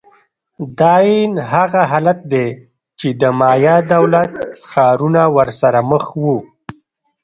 دا عین هغه حالت دی چې د مایا دولت ښارونه ورسره مخ وو.